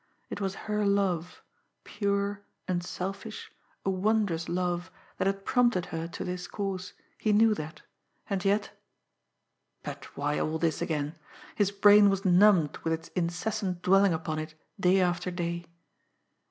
It was her love, pure, unselfish, a wondrous love, that had prompted her to this course, he knew that and yet But why all this again! His brain was numbed with its incessant dwelling upon it day after day.